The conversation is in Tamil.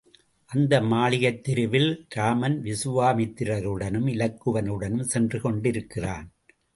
அந்த மாளிகைத் தெருவில் இராமன் விசுவாமித்திரருடனும் இலக்குவனுடனும் சென்று கொண்டிருக்கிறான்.